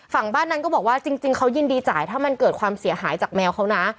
ฝั่งบ้านนั้นก็บอกว่าจริงเขายินดีจ่ายถ้ามันเกิดความเสียหายจากแมวเขานะ